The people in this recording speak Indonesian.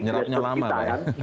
menyerapnya lama pak